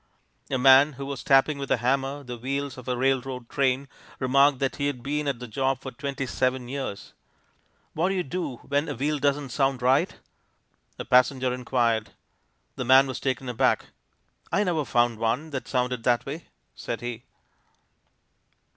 A man who was tapping with a hammer the wheels of a railroad train remarked that he had been at the job for twenty seven years. "What do you do when a wheel doesn't sound right?" a passenger inquired. The man was taken aback. "I never found one that sounded that way," said he.